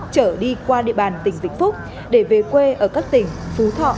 trở đi qua địa bàn tỉnh vĩnh phúc để về quê ở các tỉnh phú thọ